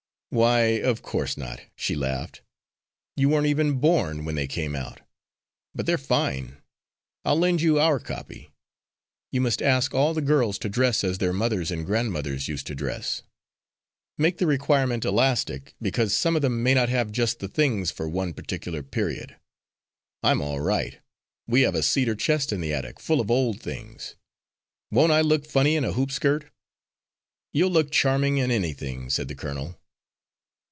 "Why, of course not," she laughed, "you weren't even born when they came out! But they're fine; I'll lend you our copy. You must ask all the girls to dress as their mothers and grandmothers used to dress. Make the requirement elastic, because some of them may not have just the things for one particular period. I'm all right. We have a cedar chest in the attic, full of old things. Won't I look funny in a hoop skirt?" "You'll look charming in anything," said the colonel.